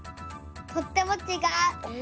とってもちがう。